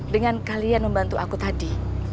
dengan kalian membantu aku tadi